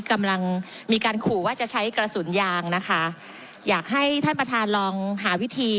กำลังมีการขู่ว่าจะใช้กระสุนยางนะคะอยากให้ท่านประธานลองหาวิธี